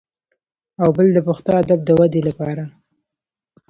او بل د پښتو ادب د ودې لپاره